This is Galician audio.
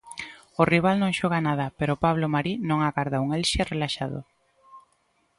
O rival non xoga nada, pero Pablo Marí non agarda un Elxe relaxado.